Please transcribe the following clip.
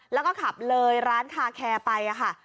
แล้วก็ขับเลยร้านคาแคร์ไปค่ะ